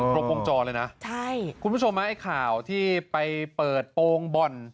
ตรงวงจอเลยนะใช่คุณผู้ชมนะไอ้ข่าวที่ไปเปิดโปรงบ่อน